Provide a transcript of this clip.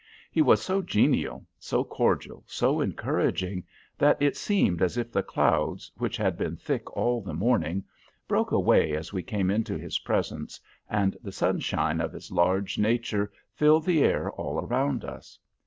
He was so genial, so cordial, so encouraging, that it seemed as if the clouds, which had been thick all the morning, broke away as we came into his presence, and the sunshine of his large nature filled the air all around us.